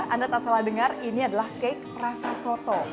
anda tak salah dengar ini adalah cake rasa soto